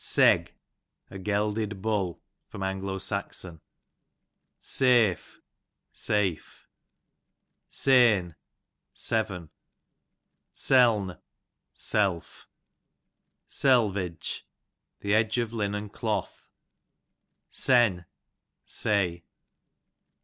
Seg, a gelded hull. A. S. Safe, safe. Seign, seven. Seln, self. Selvege, the edge of linen cloth. Sen, say.